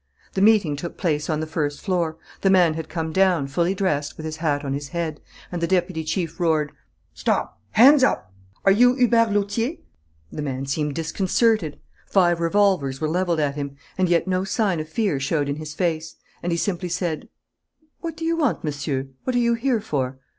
The meeting took place on the first floor. The man had come down, fully dressed, with his hat on his head; and the deputy chief roared: "Stop! Hands up! Are you Hubert Lautier?" The man seemed disconcerted. Five revolvers were levelled at him. And yet no sign of fear showed in his face; and he simply said: "What do you want, Monsieur? What are you here for?"